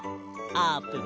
あーぷん！